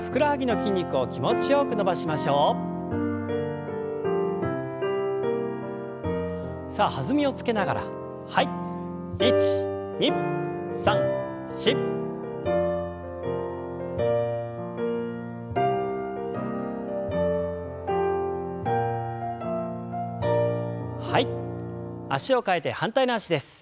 脚を替えて反対の脚です。